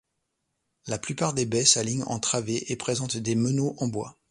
La plupart des baies s'alignent en travées et présentent des meneaux en bois.